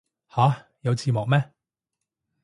吓有字幕咩